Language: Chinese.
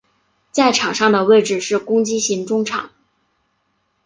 在场上的位置是攻击型中场。